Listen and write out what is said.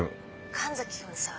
神崎君さ。